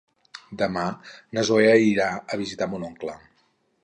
Demà na Zoè irà a visitar mon oncle.